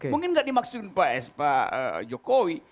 mungkin tidak dimaksudkan pak jokowi